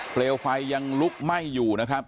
เปลวไฟยังลุกไหม้อยู่นะครับ